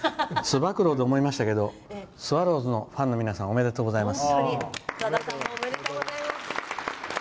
つば九郎で思いましたけどスワローズのファンの皆さんおめでとうございます。